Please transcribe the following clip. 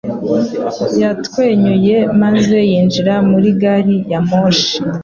Yatwenyuye maze yinjira muri gari ya moshi.